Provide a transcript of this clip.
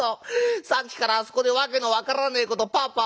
さっきからあそこで訳の分からねえことパーパーパーパー」。